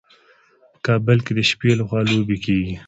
په کابل کې د شپې لخوا لوبې کیږي.